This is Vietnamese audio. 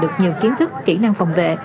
được nhiều kiến thức kỹ năng phòng vệ